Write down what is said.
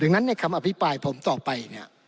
ดังนั้นในคำอภิปรายผมต่อไปเนี่ย